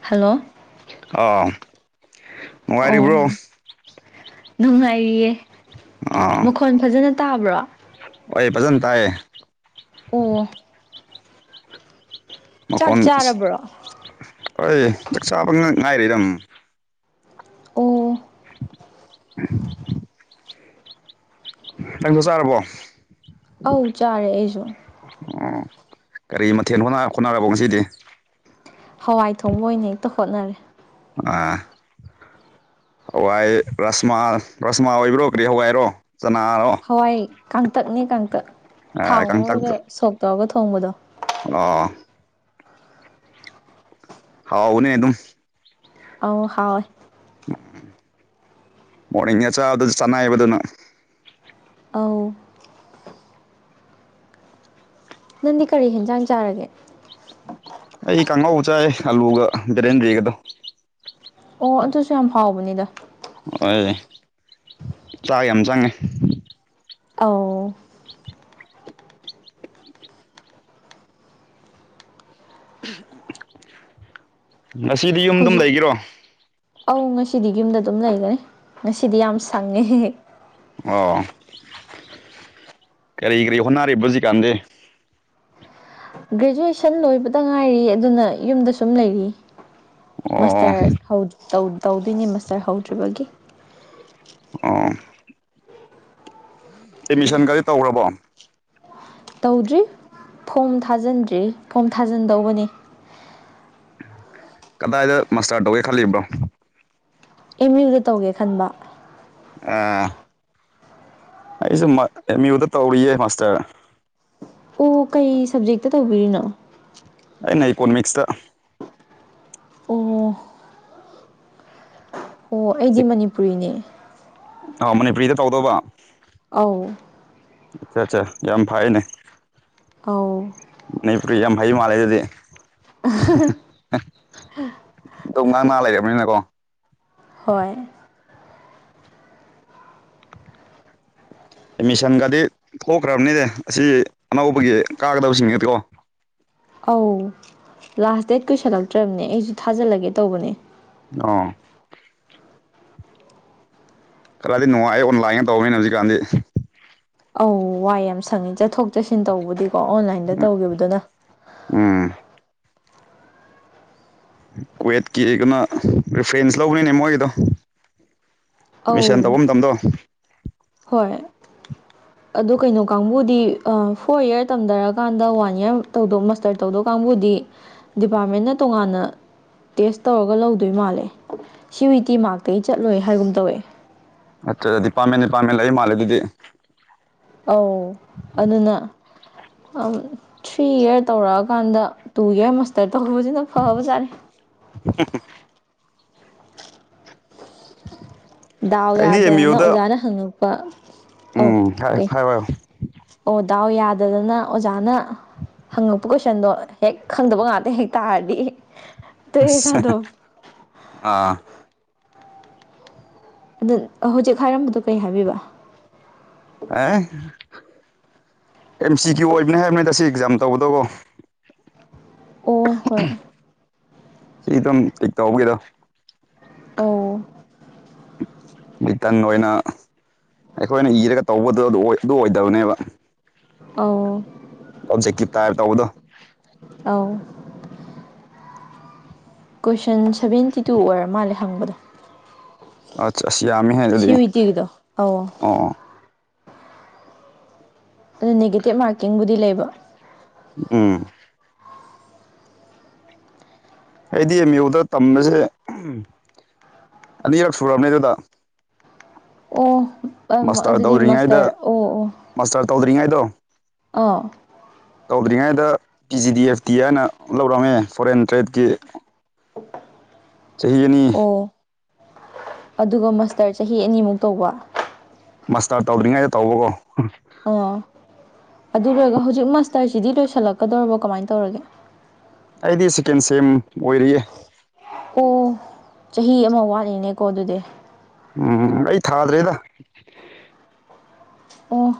hello ꯑꯥ ꯑꯣ ꯅꯨꯡꯉꯥꯏꯔꯤꯕ꯭ꯔꯣ ꯅꯨꯡꯉꯥꯏꯔꯤꯌꯦ ꯑꯥ ꯃꯈꯣꯟ ꯐꯖꯅ ꯇꯥꯕ꯭ꯔꯣ ꯍꯣꯏ ꯐꯖꯅ ꯇꯥꯏꯌ‍ꯦ ꯑꯣ ꯆꯥꯛ ꯃꯈꯣꯟ ꯑꯁ ꯆꯥꯔꯕ꯭ꯔꯣ ꯍꯣꯏ ꯆꯥꯛ ꯆꯥꯕ ꯉꯥꯏꯔꯤꯗ [unintelligible] ꯑꯣ [unintelligible] ꯅꯪ ꯆꯥꯛ ꯆꯥꯔꯕꯣ ꯑꯧ ꯆꯥꯔꯦ ꯑꯩꯁꯨ ꯑꯣ ꯒꯥꯔꯤ [unintelligible] ꯃꯊꯦꯜ ꯍꯠ ꯍꯣꯠꯅꯔꯕꯣ ꯉꯁꯤꯗꯤ ꯍꯋꯥꯏ ꯊꯣꯡꯕ ꯑꯣꯏꯅ ꯍꯦꯛꯇ ꯍꯣꯠꯅꯔꯦ ꯑꯥ ꯍꯋꯥꯏ ꯔꯥꯁꯃꯥ ꯔꯥꯁꯃꯥ ꯑꯣꯏꯕ꯭ꯔꯣ ꯀꯔꯤ ꯍꯋꯥꯏꯔꯣ ꯆꯅꯥꯔꯣ ꯍꯋꯥꯏ ꯀꯥꯡꯇꯛꯅꯦ ꯀꯥꯡꯇꯛ ꯊꯥꯎ ꯑꯥ ꯉꯧꯔꯒ ꯁꯣꯛ ꯇꯧꯔꯒ ꯊꯣꯡꯕꯗꯣ ꯑ ꯍꯥꯎ ꯑꯣꯅꯦ ꯑꯗꯨꯝ ꯑꯧ ꯍꯥꯎꯏ ꯎꯝ ꯃꯣꯔꯅꯤꯡ ꯑꯆꯥꯕꯗ ꯆꯅꯥꯏꯕꯗꯨꯅ ꯑꯧ ꯅꯪꯗꯤ ꯀꯔꯤ ꯍꯦꯟꯖꯥꯡ ꯆꯥꯔꯒꯦ ꯑꯩ ꯀꯥꯡꯉꯧ ꯆꯥꯏ ꯑꯂꯨꯒ ꯕꯤꯔꯦꯟꯗꯤꯒꯗꯣ ꯑꯣ ꯑꯗꯨꯁꯨ ꯌꯥꯝ ꯍꯥꯎꯕꯅꯤꯗ ꯍꯣꯏ ꯆꯥꯛ ꯌꯥꯝ ꯆꯪꯉꯦ ꯑꯥꯎ ꯉꯁꯤꯗꯤ ꯌꯨꯝꯗꯨꯝ ꯍꯧꯖꯤꯛ ꯂꯩꯒꯔꯣ ꯑꯧ ꯉꯁꯤꯗꯤ ꯌꯨꯝꯗ ꯑꯗꯨꯝ ꯂꯩꯒꯅꯤ ꯉꯁꯤꯗꯤ ꯌꯥꯝ ꯁꯪꯉꯦ ꯑꯣ ꯀꯔꯤ ꯀ꯭ꯔꯤ ꯍꯣꯅ ꯑꯔꯦꯕꯖꯤꯀꯥꯟꯗꯦ ꯒ꯭ꯔꯦꯖꯨꯑꯦꯁꯟ ꯂꯣꯏꯕꯗ ꯉꯥꯏꯔꯤ ꯑꯗꯨꯅ ꯌꯨꯝꯗ ꯁꯨꯝ ꯂꯩꯔꯤ ꯑꯣ ꯃꯥꯁꯇꯔ ꯇꯧꯗꯣꯏꯅꯦ ꯃꯥꯁꯇꯔ ꯍꯧꯗ꯭ꯔꯤꯕꯒꯤ ꯑꯣ ꯑꯦꯠꯃꯤꯁꯟꯒꯗꯤ ꯇꯧꯈ꯭ꯔꯕꯣ ꯇꯧꯗ꯭ꯔꯤ ꯐꯣꯝ ꯊꯥꯖꯤꯟꯗ꯭ꯔꯤ ꯐꯣꯝ ꯊꯥꯖꯤꯟꯗꯧꯕꯅꯤ ꯀꯗꯥꯏꯗ ꯃꯥꯁꯇꯇꯥꯔ ꯇꯧꯒꯦ ꯈꯜꯂꯤꯕ꯭ꯔꯣ ꯀ ꯌ꯭ꯨꯗ ꯇꯧꯒꯦ ꯈꯟꯕ ꯑ ꯑꯩꯁꯨ ꯑꯦꯝ ꯌꯨꯗ ꯇꯧꯔꯤꯌꯦ ꯃꯥꯁꯇꯔ ꯑꯣ ꯀꯩ ꯁꯕꯖꯦꯛꯇ ꯇꯧꯕꯤꯔꯤꯅꯣ ꯑꯩꯅ ꯏꯀꯣꯅꯣꯃꯤꯛꯁꯇ ꯑꯣ ꯑꯣ ꯑꯩꯗꯤ ꯃꯅꯤꯄꯨꯔꯤꯅꯦ ꯑ ꯃꯅꯤꯄꯨꯔꯤꯗ ꯇꯧꯗꯧꯕ ꯑꯧ ꯑꯆꯥ ꯑꯆꯥ ꯌꯥꯝ ꯐꯥꯏꯅꯦ ꯑꯥꯎ ꯅ ꯄꯔꯤ ꯌꯥꯝꯥꯏ ꯃꯥꯂꯦ ꯑꯗꯨꯗꯤ ꯑꯣ ꯉꯥꯡ ꯉ ꯂꯩꯔꯕꯅꯤꯅꯀꯣ ꯍꯣꯏ ꯑꯦꯠꯃꯤꯁꯟꯒꯗꯤ ꯊꯣꯛꯈ꯭ꯔꯝꯅꯤꯅꯦ ꯑꯁꯤ ꯑꯅꯧꯕꯒꯤ ꯀꯥꯒꯗꯕꯁꯤꯡ ꯅꯦꯗꯨꯔꯣ ꯑꯧ ꯂꯥꯁ ꯗꯦꯠ ꯀꯨꯁꯜꯂꯛꯇ꯭ꯔꯕꯅꯦ ꯑꯩꯁꯨ ꯊꯥꯖꯤꯜꯂꯒꯦ ꯇꯧꯕꯅꯦ ꯑꯣ ꯈꯔꯗꯤ ꯅꯨꯡꯉꯥꯏ ꯑꯣꯟ ꯂꯥꯏꯅ ꯇꯧꯕꯅꯤꯅ ꯍꯧꯖꯤꯛꯀꯥꯟꯗꯤ ꯑꯣ ꯋꯥꯏ ꯌꯥꯝ ꯁꯪꯉꯦ ꯆꯠꯊꯣꯛ ꯆꯠꯁꯤꯟ ꯇꯧꯕꯗꯤꯀꯣ ꯑꯣꯟꯂꯥꯏꯟꯗ ꯇꯧꯈꯤꯕꯗꯨꯅ ꯎꯝ ꯀꯨꯋꯦꯠꯀꯤ ꯀꯩꯅꯣ ꯔꯤꯐ꯭ꯔꯦꯟꯁ ꯂꯧꯕꯅꯤꯅꯦ ꯃꯣꯏꯒꯤꯗꯣ ꯑꯧ ꯃꯤꯁꯟ ꯇꯧꯕ ꯃꯇꯝꯗꯣ ꯍꯣꯏ ꯑꯗꯣ ꯀꯩꯅꯣ ꯀꯥꯡꯕꯨꯗꯤ ꯐꯣꯔ ꯏꯔ ꯇꯝꯊꯔꯀꯥꯟꯗ ꯋꯥꯟ ꯏꯔ ꯇꯧꯗꯣ ꯃꯥꯁꯇꯔ ꯇꯧꯗꯧ ꯀꯥꯡꯕꯨꯗꯤ ꯗꯤꯄꯥꯔꯠꯃꯦꯟꯅ ꯇꯣꯉꯥꯟꯅ ꯇꯦꯁ ꯇꯧꯔꯒ ꯂꯧꯗꯣꯏ ꯃꯥꯜꯂꯦ ꯁꯤ ꯋꯤ ꯇꯤ ꯃꯥꯔ ꯀꯩ ꯆꯠꯂꯣꯏ ꯍꯥꯏꯒꯨꯝ ꯇꯧꯋꯦ ꯑꯠꯆꯥ ꯗꯤꯄꯥꯃꯦꯟ ꯅꯤꯄꯥꯃꯦꯟ ꯂꯩ ꯃꯥꯜꯂꯦ ꯑꯗꯨꯗꯤ ꯑꯧ ꯑꯗꯨꯅ ꯊ꯭ꯔꯤ ꯏꯔ ꯇꯧꯔꯛꯑꯀꯥꯟꯗ ꯇꯨ ꯏꯌꯥꯔ ꯃꯥꯁꯇꯔ ꯇꯧꯕꯁꯤꯅ ꯐꯕꯖꯥꯠꯅꯤ [inaudible] ꯗꯥꯎ ꯑꯩꯗꯤ ꯑꯦꯝ ꯌꯥꯗꯅ ꯌꯨꯗ ꯑꯣꯖꯥꯅ ꯍꯪꯉꯛꯄ ꯑꯧ ꯎꯝ ꯍꯥꯏꯌꯣ ꯀꯩ ꯍꯥꯏꯌꯣ ꯑꯣ ꯗꯥꯎ ꯌꯥꯗꯗꯅ ꯑꯣꯖꯥꯅ ꯍꯪꯉꯛꯄ ꯀꯣꯏꯁꯟꯗꯣ ꯍꯦꯛ ꯈꯪꯗꯕ ꯉꯥꯛꯇ ꯍꯦꯛ ꯇꯥꯔꯗꯤ ꯇꯣꯛꯑꯦꯗ ꯑꯁ ꯑꯗꯨꯝ ꯑꯥ ꯑꯗꯨ ꯍꯧꯖꯤꯛ ꯍꯥꯏꯔꯝꯕꯗꯣ ꯀꯩ ꯍꯥꯏꯕꯤꯕ ꯑꯦ ꯑꯦꯝ ꯁꯤ ꯀ꯭ꯌꯨ ꯑꯣꯏꯕꯅꯦ ꯃꯦꯇꯥꯁꯤ ꯑꯦꯛꯖꯥꯝ ꯇꯧꯕꯗꯣꯀꯣ ꯑꯣ ꯍꯣꯏ ꯑꯩ ꯑꯗꯨꯝ ꯀꯤ ꯇꯍꯧꯒꯦꯗꯣ ꯑꯎ ꯔꯤꯇꯟ ꯑꯣꯏꯅ ꯑꯩꯈꯣꯏꯅ ꯏꯔꯒ ꯇꯧꯕꯗꯣ ꯑꯗꯨ ꯑꯣꯏꯗꯕꯅꯦꯕ ꯑꯎ ꯑꯣꯞꯖꯦꯛꯀꯤꯞ ꯇꯥꯏꯔ ꯇꯧꯕꯗꯣ ꯑꯎ ꯀꯣꯏꯁꯟ ꯁꯕꯦꯟꯇꯤ ꯇꯨ ꯑꯣꯏꯔ ꯃꯥꯜꯂꯦ ꯍꯪꯕꯗꯣ ꯑꯁ ꯑꯁ ꯌꯥꯝꯃꯤ ꯁꯤꯋꯤꯇꯤꯒꯤꯗꯣ ꯑꯧ ꯑꯣ ꯀꯩ ꯅꯦꯒꯦꯇꯤꯞ ꯃꯥꯔꯀꯤꯡꯕꯨꯗꯤ ꯂꯩꯕ ꯎꯝ ꯑꯩꯗꯤ ꯑꯦꯝ ꯌꯨꯗ ꯇꯝꯕꯁꯦ ꯑꯅꯤꯔꯛ ꯁꯨꯔꯕꯅꯦ ꯑꯗꯨꯗ ꯑꯣ ꯃꯥꯁꯇꯔ ꯑꯗꯨꯗꯤ ꯇꯧꯗ꯭ꯔꯤꯉꯩꯗ ꯃꯥꯁꯇꯔ ꯑꯣ ꯑꯣ ꯃꯥꯁꯇꯔ ꯇꯧꯗ꯭ꯔꯤꯉꯩꯗꯣ ꯑꯥ ꯇꯧꯗ꯭ꯔꯤꯉꯩꯗ P G D F T ꯍꯥꯏꯅ ꯂꯧꯔꯝꯃꯦ ꯐꯣꯔꯦꯟ ꯇ꯭ꯔꯦꯠꯀꯤ ꯆꯍꯤ ꯑꯅꯤ ꯑꯣ ꯑꯗꯨꯒ ꯃꯁꯇꯔ ꯆꯍꯤ ꯑꯅꯤꯃꯨꯛ ꯇꯧꯕ ꯃꯥꯁꯇꯔ ꯇꯧꯗ꯭ꯔꯤꯉꯩꯗ ꯇꯧꯕꯀꯣ ꯑꯣ ꯑꯗꯨꯒ ꯍꯧꯖꯤꯛ ꯃꯥꯁꯇꯔꯁꯤꯗꯤ ꯂꯣꯏꯁꯜꯂꯛꯀꯗꯧꯔꯤꯕꯣ ꯀꯃꯥꯏ ꯇꯧꯔꯒꯦ ꯑꯩꯗꯤ ꯁꯦꯀꯦꯟ ꯁꯦꯝ ꯑꯣꯏꯔꯤꯌꯦ ꯑꯣ ꯆꯍꯤ ꯑꯃ ꯋꯥꯠꯂꯤꯅꯦꯀꯣ ꯑꯗꯨꯗꯤ ꯎꯝ ꯑꯩ ꯊꯥꯗ꯭ꯔꯦꯗ ꯑꯝ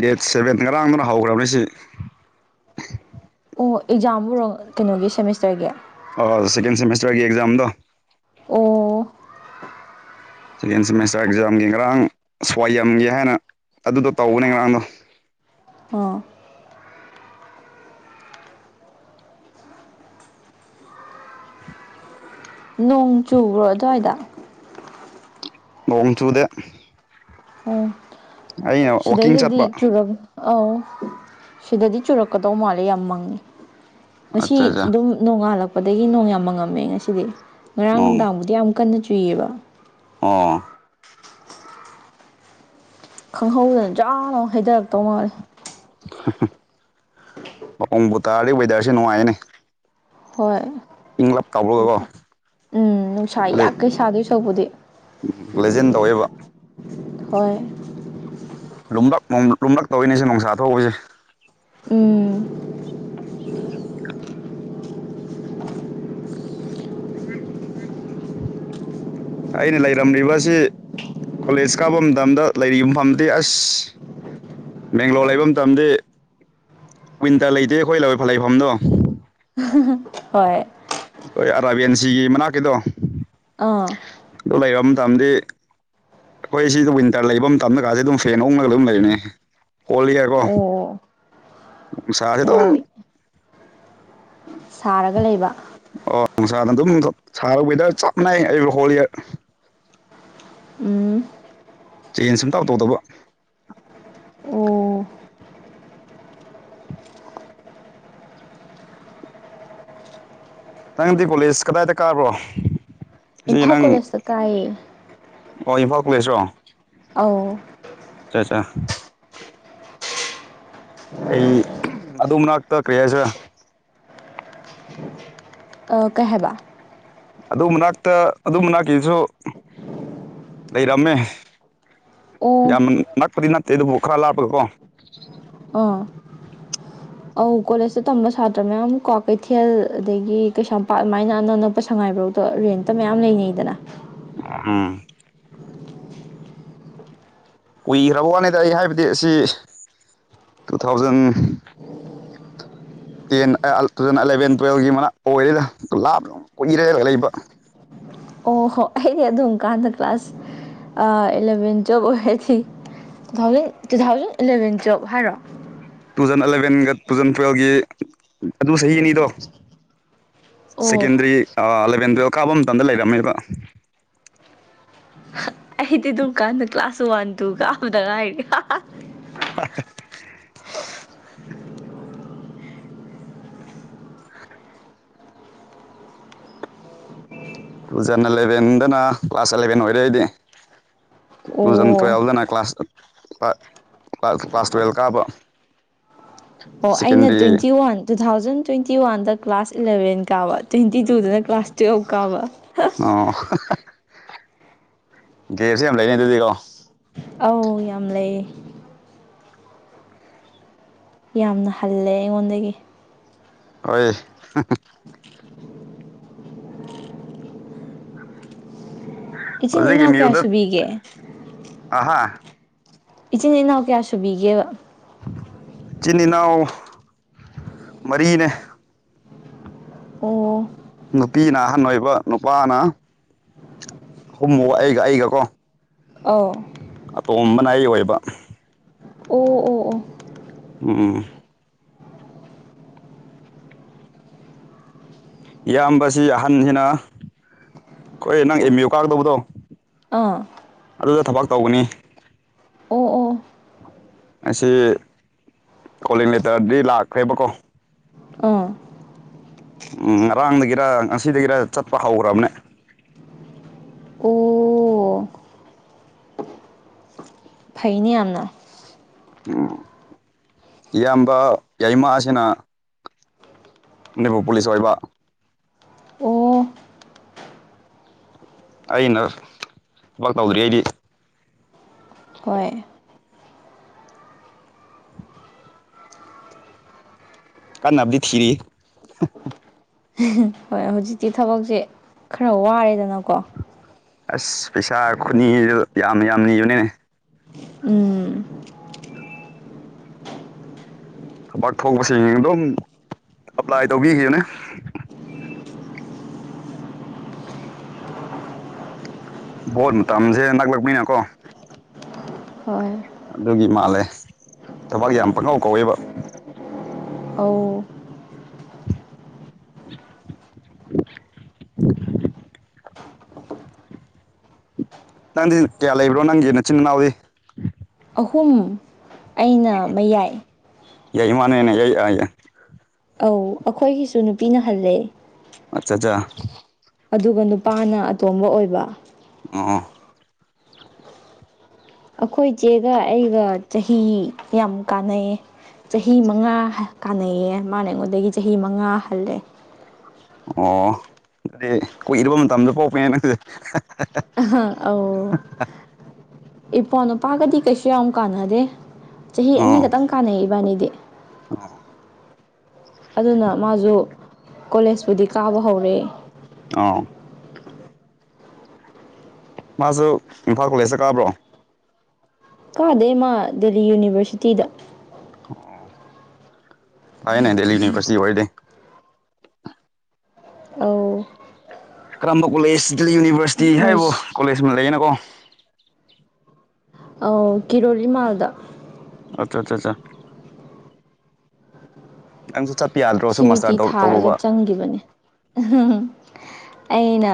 ꯗꯦꯠ ꯁꯚꯦꯟ ꯉꯔꯥꯡꯗꯅ ꯍꯧꯈ꯭ꯔꯕꯅꯦ ꯁꯤ ꯑꯣ ꯑꯦꯛꯖꯥꯝꯕꯨꯔꯣ ꯀꯩꯅꯣꯒꯤ ꯁꯦꯃꯤꯁꯇꯔꯒꯤ ꯑꯣ ꯁꯦꯀꯦꯟ ꯁꯦꯃꯤꯁꯇ꯭ꯔꯒꯤ ꯑꯦꯛꯖꯥꯝꯗꯣ ꯑꯣ ꯁꯦꯀꯦꯟ ꯁꯦꯃꯦꯁꯇ꯭ꯔ ꯑꯦꯛꯖꯥꯝꯒꯤ ꯉꯔꯥꯡ ꯁ꯭ꯋꯥꯏꯑꯒꯦ ꯍꯥꯏꯅ ꯑꯗꯨꯗꯣ ꯇꯧꯕꯅꯦ ꯉꯔꯥꯡꯗꯣ ꯑꯣ ꯅꯣꯡ ꯆꯨꯕ꯭ꯔꯣ ꯑꯗꯨꯋꯥꯏꯗ ꯅꯣꯡ ꯆꯨꯗꯦ ꯑꯣ ꯑꯩꯅ ꯋꯥꯛꯀꯤꯡ ꯁꯤꯗꯩꯗꯗꯤ ꯆꯠꯄ ꯆꯨꯔꯝ ꯑꯧ ꯁꯤꯗꯗꯤ ꯆꯨꯔꯛꯀꯗꯧ ꯃꯥꯜꯂꯦ ꯌꯥꯝ ꯃꯪꯉꯦ ꯉꯁꯤ ꯑꯠꯆꯥ ꯑꯠꯆꯥ ꯑꯗꯨꯝ ꯅꯣꯡꯉꯥꯜꯂꯛꯄꯗꯒꯤ ꯅꯣꯡ ꯌꯥꯝ ꯃꯪꯉꯝꯃꯦ ꯉꯁꯤꯗꯤ ꯉꯔꯥꯡ ꯑꯣ ꯅꯨꯡꯗꯥꯡꯕꯨꯗꯤ ꯌꯥꯝ ꯀꯟꯅ ꯆꯨꯏꯌꯦꯕ ꯑꯣ ꯈꯪꯍꯧꯗꯅ ꯖꯥꯝꯅ ꯍꯩꯗꯥꯔꯛꯇꯧ ꯃꯥꯜꯂꯤ ꯅꯣꯡꯕꯨ ꯇꯥꯔꯗꯤ ꯋꯦꯗꯔꯁꯤ ꯅꯨꯡꯉꯥꯏꯅꯦ ꯍꯣꯏ ꯏꯪꯂꯞ ꯇꯧꯕꯗꯨꯑꯣ ꯎꯝ ꯅꯨꯡꯁꯥ ꯌꯥ ꯀꯩ ꯁꯥꯗꯣꯏ ꯁꯔꯨꯛꯄꯨꯗꯤ ꯂꯦꯖꯦꯟ ꯇꯧꯋꯦꯕ ꯍꯣꯏ ꯂꯨꯝꯂꯛ ꯅꯣꯡ ꯂꯨꯝꯂꯛ ꯇꯧꯋꯤꯅꯦ ꯁꯤ ꯅꯨꯡꯁꯥ ꯊꯧꯕꯁꯦ ꯎꯝ [unintelligible] ꯑꯩꯅ ꯂꯩꯔꯝꯂꯤꯕꯁꯤ ꯀꯣꯂꯦꯖ ꯀꯥꯕ ꯃꯇꯝꯗ ꯂꯩꯔꯤꯌꯨꯝꯐꯝꯇꯦ ꯑꯁ ꯕꯦꯡꯒ꯭ꯂꯣꯔ ꯂꯩꯕ ꯃꯇꯝꯗꯤ ꯋꯤꯟꯇꯔ ꯂꯩꯇꯦ ꯑꯩꯈꯣꯏ ꯂꯩꯐꯝꯗꯣ ꯎ ꯍꯣꯏ ꯑꯩꯈꯣꯏ ꯑꯔꯥꯕ꯭ꯌꯟꯁꯤꯒꯤ ꯃꯅꯥꯛꯀꯤꯗꯣ ꯑꯥ ꯑꯗꯨ ꯂꯩꯔꯝ ꯃꯇꯝꯗꯤ ꯑꯩꯈꯣꯏ ꯁꯤꯗ ꯋꯤꯟꯇꯔ ꯂꯩꯕ ꯃꯇꯝꯗꯀꯥꯁꯦ ꯑꯗꯨꯝ ꯐꯦꯟ ꯎꯡꯉꯒ ꯑꯗꯨꯝ ꯂꯩꯕꯅꯤ ꯀꯣꯂꯤꯌꯔ ꯀꯣ ꯑꯣ ꯅꯨꯡꯁꯥꯖꯦ ꯗꯨꯝ ꯑꯣ ꯁꯥꯔꯒ ꯂꯩꯕ ꯑꯣ ꯅꯨꯡꯁꯥꯅ ꯑꯗꯨꯝ ꯁꯥꯔꯒ ꯋꯦꯗꯔ ꯆꯞꯅꯩ ꯍꯣꯜꯔ ꯎꯝ ꯆꯦꯟꯁ ꯁꯨꯡꯇꯧ ꯇꯧꯗꯕ ꯑꯣ ꯅꯪꯗꯤ ꯀꯣꯂꯦꯁ ꯀꯗꯥꯏꯗ ꯀꯥꯕ꯭ꯔꯣ ꯁꯤ ꯏꯝꯐꯥꯜ ꯅꯪ ꯀꯣꯂꯦꯖꯇ ꯀꯥꯏꯌꯦ ꯑꯣ ꯏꯝꯐꯥꯜ ꯀꯣꯂꯦꯁ ꯔꯣ ꯑꯧ ꯑꯆꯥ ꯑꯆꯥ ꯑꯩ ꯑꯗꯨ ꯃꯅꯥꯛꯇ ꯀꯔꯤ ꯍꯥꯏꯁꯤꯔꯥ [inaudible] ꯑ ꯀꯩꯍꯥꯏꯕ ꯑꯗꯨ ꯃꯅꯥꯛꯇ ꯑꯗꯨ ꯃꯅꯥꯛꯀꯤꯁꯨ ꯂꯩꯔꯝꯃꯦ ꯑꯣ ꯌꯥꯝ ꯅꯛꯄꯗꯤ ꯅꯠꯇꯦ ꯑꯗꯨꯕꯨ ꯈꯔ ꯂꯥꯞꯄꯒꯀꯣ ꯑꯣ ꯑꯧ ꯀꯣꯂꯦꯖꯇ ꯇꯝꯕ ꯁꯥꯇ꯭ꯔ ꯃꯌꯥꯝ ꯀ꯭ꯋꯀꯩꯊꯦꯜ ꯑꯗꯒꯤ ꯀꯩꯁꯥꯝꯄꯥꯠ ꯑꯗꯨꯃꯥꯏꯅ ꯑꯅꯛ ꯑꯅꯛꯄ ꯁꯉꯥꯏꯄ꯭ꯔꯧ ꯑꯣ ꯔꯦꯟꯇ ꯃꯌꯥꯝ ꯂꯩꯅꯩꯗꯅ ꯎꯝ ꯀꯨꯏꯈ꯭ꯔꯕ ꯋꯥꯅꯤꯗ ꯑꯩ ꯍꯥꯏꯕꯗꯤ ꯑꯁꯤ ꯇꯨ ꯊꯥꯎꯖꯟ ꯇꯦꯟ ꯑ ꯇꯨ ꯊꯥꯎꯖꯟ ꯑꯦꯂꯚꯦꯟ ꯇꯨꯋꯜꯒꯤ ꯃꯅꯥꯛ ꯑꯣꯏꯔꯤꯗ ꯂꯥꯞ ꯀꯨꯏꯔꯦ ꯂꯩ ꯂꯩꯕ ꯑꯣ ꯍꯣ ꯑꯩꯗꯤ ꯑꯗꯨꯝꯀꯥꯟꯗ ꯀ꯭ꯂꯥꯁ ꯏꯂꯚꯦꯟ ꯇꯨꯋꯦꯜꯚ ꯑꯣꯏꯔꯗꯤ two thousand two thousand eleven twelve ꯍꯥꯏꯔꯣ ꯇꯨ ꯊꯥꯎꯖꯟ ꯑꯦꯂꯕꯦꯟꯒ ꯇꯨ ꯊꯥꯎꯖꯟ ꯇꯨꯋꯜꯕꯒꯤ ꯑꯗꯨꯢ ꯆꯍꯤ ꯑꯅꯤꯗꯣ ꯑꯣ ꯁꯦꯀꯦꯟꯗ꯭ꯔꯤ ꯑꯦꯂꯕꯦꯟ ꯇꯨꯌꯦꯜꯞ ꯀꯥꯕ ꯃꯇꯝꯗ ꯂꯩꯔꯝꯃꯦꯕ ꯑꯩꯗꯤ ꯑꯗꯨꯀꯥꯟꯗ ꯀ꯭ꯂꯥꯁ ꯋꯥꯟ ꯇꯨ ꯀꯥꯞꯕꯗ ꯉꯥꯏꯔꯦ ꯍꯥ ꯍꯥ [inaudible] ꯇꯨꯖꯟ ꯑꯦꯂꯦꯕꯦꯟꯗꯅ ꯀ꯭ꯂꯥꯁ ꯑꯦꯂꯕꯦꯟ ꯂꯣꯏꯔꯦ ꯑꯩꯗꯤ ꯇꯨ ꯊꯥꯎꯖꯟ ꯑꯣ ꯇꯨꯌꯦꯜꯕꯗꯅ ꯀ꯭ꯂꯥꯁ ꯀ꯭ꯂꯥꯁ ꯇꯨꯌꯦꯜꯕ ꯀꯥꯕ ꯑꯣ ꯑꯩꯅ secondary twenty one two thousand twenty ꯋꯥꯟꯗ ꯀ꯭ꯂꯥꯁ ꯏꯂꯚꯦꯟ ꯀꯥꯕ ꯇ꯭ꯋꯦꯟꯇꯤ ꯇꯨꯗꯅ ꯀ꯭ꯂꯥꯁ ꯇꯨꯌꯦꯞ ꯀꯥꯕ ꯑꯣ ꯒꯦꯞꯁꯨ ꯌꯥꯝ ꯂꯩꯅꯤ ꯑꯗꯨꯗꯤꯀꯣ ꯑꯣ ꯌꯥꯝ ꯂꯩ ꯌꯥꯝꯅ ꯍꯜꯂꯦ ꯑꯩꯉꯣꯟꯗꯒꯤ ꯍꯣꯏ ꯏꯆꯤꯟ ꯍꯧꯖꯤꯛ ꯑꯦꯝ ꯏꯅꯥꯎ ꯀꯌꯥ ꯌꯨꯗ ꯁꯨꯕꯤꯒꯦ ꯑꯍꯥ ꯏꯆꯤꯟ ꯏꯅꯥꯎ ꯀꯌꯥ ꯁꯨꯕꯤꯒꯦꯕ ꯏꯆꯤꯟ ꯏꯅꯥꯎ ꯃꯔꯤꯅꯦ ꯑꯣ ꯅꯨꯄꯤꯅ ꯑꯍꯟ ꯑꯣꯏꯕ ꯅꯨꯄꯥꯅ ꯑꯩꯒ ꯑꯩꯒ ꯀꯣ ꯑꯥꯎ ꯑꯇꯣꯝꯕꯅ ꯑꯩ ꯑꯣꯏꯕ ꯑꯣ ꯑꯣ ꯑꯣ ꯎꯝ ꯎꯝ ꯏꯌꯥꯝꯕꯁꯤ ꯑꯍꯟꯅꯤꯅ ꯑꯣꯏ ꯅꯪ ꯑꯦꯝ ꯌꯨ ꯀꯥꯗꯧꯕꯗꯣ ꯑꯥ ꯑꯗꯨꯗ ꯊꯕꯛ ꯇꯧꯒꯅꯤ ꯑꯣ ꯑꯣ ꯉꯁꯤ ꯀꯣꯂꯤꯡ ꯂꯦꯇ꯭ꯔꯗꯤ ꯂꯥꯛꯈ꯭ꯔꯦꯕꯀꯣ ꯑꯝ ꯎꯝ ꯉꯔꯥꯡꯗꯒꯤꯔ ꯉꯁꯤꯗꯒꯤꯔ ꯆꯠꯄ ꯍꯧꯈ꯭ꯔꯕꯅꯦ ꯑꯣ ꯐꯩꯅꯤ ꯌꯥꯝꯅ ꯏꯌꯥꯝꯕ ꯌꯥꯏꯃ ꯁꯤꯅ ꯃꯅꯤꯄꯨꯔ ꯄꯨꯂꯤꯁ ꯑꯣꯏꯕ ꯑꯣ ꯑꯩꯅ ꯊꯕꯛ ꯇꯧꯗ꯭ꯔꯤ ꯑꯩꯗꯤ ꯍꯣꯏ ꯀꯥꯟꯅꯕꯨꯗꯤ ꯊꯤꯔꯤ ꯍꯤ ꯍꯤ ꯍꯣꯏ ꯍꯧꯖꯤꯛꯇꯤ ꯊꯕꯛꯁꯦ ꯈꯔ ꯋꯥꯔꯦꯗꯅꯀꯣ ꯑꯁ ꯄꯩꯁꯥ ꯈꯨꯅꯤꯁꯨ ꯌꯥꯝ ꯌꯥꯝꯅ ꯅꯤꯕꯅꯦ ꯎꯝ ꯊꯕꯛ ꯊꯣꯛꯄꯁꯤꯡ ꯑꯗꯨꯝ ꯑꯦꯄ꯭ꯂꯥꯏ ꯇꯧꯕꯤꯈꯤꯕꯅꯦ ꯄꯣꯠ ꯃꯇꯝꯁꯦ ꯅꯥꯛꯂꯛꯄꯅꯤꯅ ꯀꯣ ꯍꯣꯏ ꯑꯗꯨꯒꯤ ꯃꯥꯜꯂꯦ ꯊꯕꯥꯛ ꯌꯥꯝ ꯄꯪꯉꯥꯎ ꯀꯧꯋꯦꯕ ꯑꯥꯎ [inaudible] [inaudible] ꯅꯪꯗꯤ ꯀꯌꯥ ꯂꯩꯕ꯭ꯔꯣ ꯅꯪꯒꯤ ꯅꯆꯤꯟ ꯃꯅꯥꯎꯗꯤ ꯑꯍꯨꯝ ꯑꯩꯅ ꯃꯌꯥꯏ ꯑꯣꯅ [inaudible] ꯑꯣ ꯑꯩꯈꯣꯏꯒꯤꯁꯨ ꯅꯨꯄꯤꯅ ꯍꯜꯂꯦ ꯑꯆꯥ ꯆꯆꯥ ꯑꯗꯨꯒ ꯅꯨꯄꯥꯅ ꯑꯇꯣꯝꯕ ꯑꯣꯏꯕ [unintelligible] ꯑꯩꯈꯣꯏ ꯏꯆꯦꯒ ꯑꯩꯒ ꯆꯍꯤ ꯌꯥꯝ ꯀꯥꯟꯅꯩꯌꯦ ꯆꯍꯤ ꯃꯉꯥ ꯀꯥꯟꯅꯩꯌꯦ ꯃꯥꯅ ꯑꯩꯉꯣꯟꯗꯒꯤ ꯆꯍꯤ ꯃꯉꯥ ꯍꯜꯂꯦ ꯑꯣ ꯑꯗꯨꯗꯤ ꯀꯨꯏꯔꯕ ꯃꯇꯝꯗ ꯄꯣꯛꯄꯅꯦ ꯅꯪꯁꯦ [unintelligible] [unintelligible] ꯑꯧ ꯏꯄ꯭ꯋꯥ ꯅꯨꯄꯥꯒꯗꯤ ꯀꯩꯁꯨ ꯌꯥꯝ ꯀꯥꯟꯅꯗꯦ ꯆꯍꯤ ꯑꯅꯤ ꯈꯛꯇꯪ ꯀꯥꯟꯅꯩ ꯏꯕꯥꯅꯤꯗꯤ ꯍ [inaudible] ꯑꯗꯨꯅ ꯃꯥꯁꯨ ꯀꯣꯂꯦꯖꯄꯨꯗꯤ ꯀꯥꯕ ꯍꯧꯔꯦ ꯑꯥꯎ ꯃꯥꯁꯨ ꯏꯝꯐꯥꯜ ꯀꯣꯂꯦꯖꯇ ꯀꯥꯕ꯭ꯔꯣ ꯀꯥꯗꯦ ꯃꯥ ꯗꯦꯜꯂꯤ ꯌꯨꯅꯤꯚꯔꯁꯤꯇꯤꯗ ꯐꯩꯅꯦ ꯗꯦꯜꯂꯤ ꯌꯨꯅꯤꯚꯔꯁꯤꯇꯤ ꯑꯣꯏꯔꯗꯤ ꯑꯧ ꯀꯔꯝꯕ ꯀꯣꯂꯦꯖ ꯌꯨꯅꯤꯚꯔꯁꯤꯇꯤ ꯃꯣꯏ ꯍꯥꯏꯔꯤꯕ ꯀꯣꯂꯦꯖ ꯑꯃ ꯂꯩꯅ ꯀꯣ ꯑ ꯀꯤꯔꯣꯂꯤ ꯃꯥꯜꯗ ꯑꯠꯆꯥ ꯆꯥ ꯆꯥ [unintelligible] ꯆꯄꯤꯌꯥꯜ ꯁꯤꯋꯤꯇꯤ ꯊꯥꯔꯒ ꯆꯪꯈꯤꯕꯅꯦ [unintelligible] ꯑꯩꯅ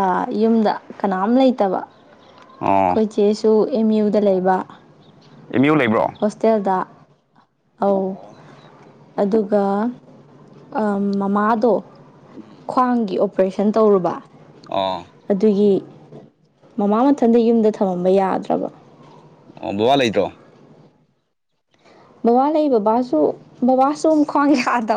ꯑ ꯌꯨꯝꯗ ꯀꯅꯥꯝ ꯂꯩꯇꯕ ꯑꯣ ꯑꯩꯈꯣꯏ ꯆꯦꯁꯨ ꯑꯦꯝ ꯌꯨꯗ ꯂꯩꯕ ꯑꯦꯝ ꯌꯨ ꯂꯩꯕ꯭ꯔꯣ ꯍꯣꯁꯇꯦꯜꯗ ꯑꯧ ꯑꯣ ꯑꯗꯨꯒ ꯑ ꯃꯃꯥꯗꯣ [inaudible] ꯈ꯭ꯋꯥꯡꯒꯤ ꯑꯣꯄꯔꯦꯁꯟ ꯇꯧꯔꯨꯕ ꯑꯣ ꯑꯗꯨꯒꯤ ꯃꯃꯥ ꯃꯊꯟꯗ ꯌꯨꯝꯗ ꯊꯝꯃꯝꯕ ꯌꯥꯗ꯭ꯔꯕ ꯑꯣ ꯕꯥꯕꯥ ꯂꯩꯇ꯭ꯔꯣ ꯕꯕꯥ ꯂꯩ ꯕꯕꯥꯁꯨ ꯕꯕꯥꯁꯨ ꯃꯨꯛ ꯈ꯭ꯋꯥꯡ ꯌꯥꯗꯕ